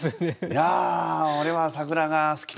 「いや俺は桜が好きなんだ！」。